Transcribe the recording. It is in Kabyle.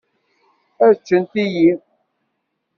Ad ččen tiyi.